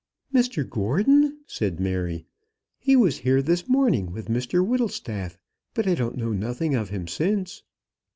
"Mr Gordon!" said Mary. "He was here this morning with Mr Whittlestaff, but I know nothing of him since."